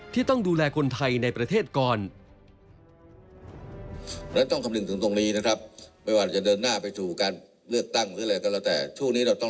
ที่ต้องดูแลคนไทยในประเทศก่อน